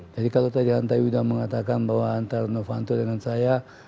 jadi kalau tadi hanta iwi sudah mengatakan bahwa antara novanto dengan saya